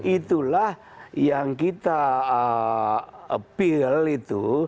itulah yang kita appeal itu